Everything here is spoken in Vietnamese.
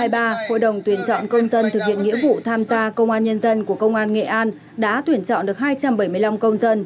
năm hai nghìn hai mươi ba hội đồng tuyển chọn công dân thực hiện nghĩa vụ tham gia công an nhân dân của công an nghệ an đã tuyển chọn được hai trăm bảy mươi năm công dân